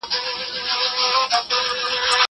زه اوږده وخت د تکړښت لپاره ځم!!